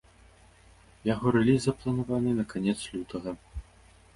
Яго рэліз запланаваны на канец лютага.